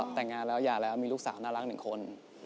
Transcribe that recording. แต่งงานแล้วหย่าแล้วมีลูกสาวน่ารักหนึ่งคน